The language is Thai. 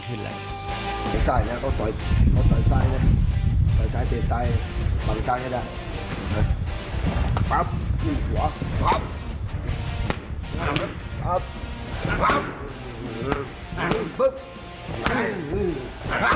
ท่านใจจริงต่อปิ๊ปเต